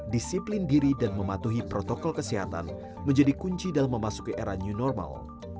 disiplin diri dan mematuhi protokol kesehatan menjadi kunci dalam memasuki era new normal